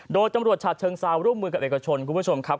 โดยตำรวจฉัดเชิงเซาร่วมมือกับเอกชนคุณผู้ชมครับ